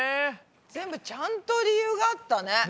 全部ちゃんと理由があったね。ね。